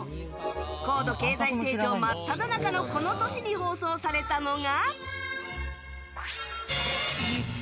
高度経済成長真っただ中のこの年に放送されたのが。